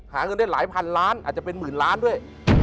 หาเงินได้หลายพันล้านอาจจะเป็นหมื่นล้านด้วย